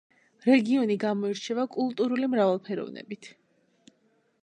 რეგიონი გამოირჩევა კულტურული მრავალფეროვნებით.